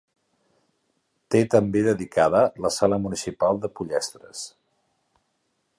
Té també dedicada la sala municipal de Pollestres.